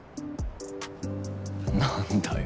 何だよ。